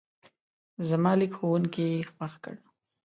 زما لیک ښوونکی خوښ کړ.